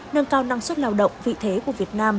nâng cao năng suất lao động vị thế của việt nam